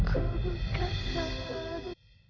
kau bukan kawan